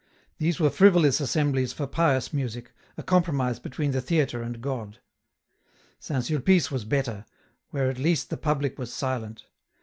These were frivolous assemblies for pious music, a compromise between the theatre and God. St. Sulpice was better, where at least the public was silent.